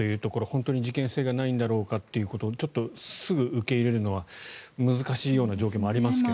本当に事件性がないんだろうかということちょっとすぐ受け入れるのは難しいような状況もありますが。